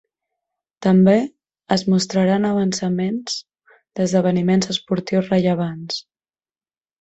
També es mostraran avançaments d'esdeveniments esportius rellevants.